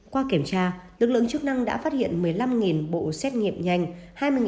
qua kiểm tra lực lượng chức năng đã phát hiện một mươi năm bộ xét nghiệm nhanh